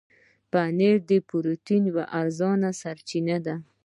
پنېر د پروټين یوه ارزانه سرچینه ده.